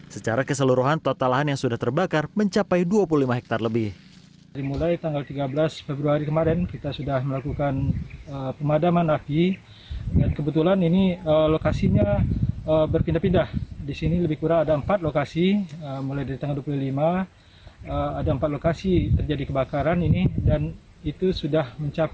secara keseluruhan total lahan yang sudah terbakar mencapai dua puluh lima hektare lebih